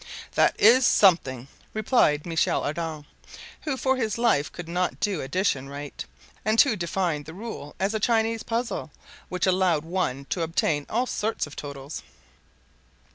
"That is something!" replied Michel Ardan, who for his life could not do addition right, and who defined the rule as a Chinese puzzle, which allowed one to obtain all sorts of totals.